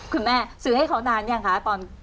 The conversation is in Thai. คุณแม่ซื้อให้เขานานยังคะตอน